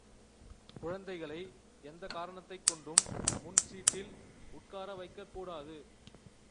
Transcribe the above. குழந்தைகளை எந்தக் காரணைத்தைக் கொண்டும் முன் சீட்டில் உட்காரவைக்கக் கூடாது.